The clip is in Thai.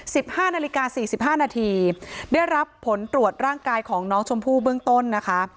สิบห้านาฬิกาสี่สิบห้านาทีได้รับผลตรวจร่างกายของน้องชมพู่เบื้องต้นนะคะ